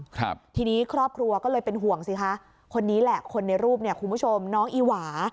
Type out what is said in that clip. ครับทีนี้ครอบครัวก็เลยเป็นห่วงสิคะคนนี้แหละคนในรูปเนี่ยคุณผู้ชมน้องอีหวา